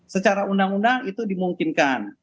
secara undang undang itu dimungkinkan